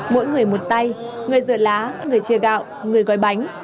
mỗi người một tay người rửa lá người chia gạo người gói bánh